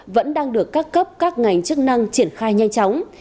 vẫn đang được các cấp các ngành chức năng triển khai nhanh chóng